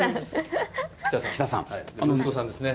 息子さんですね。